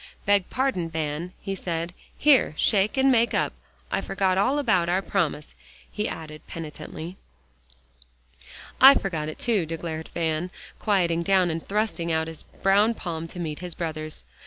"Beg pardon, Van," he said. "Here, shake, and make up. I forgot all about our promise," he added penitently. "I forgot it, too," declared Van, quieting down, and thrusting out his brown palm to meet his brother's.